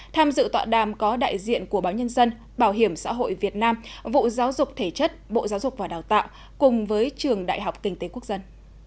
tham dự tọa đàm có đại diện của báo nhân dân bảo hiểm xã hội việt nam vụ giáo dục thể chất bộ giáo dục và đào tạo cùng với trường đại học kinh tế quốc dân